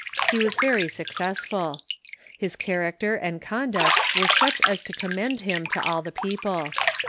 He Avas very successful. His character and conduct Avere such as to commend him to all the people.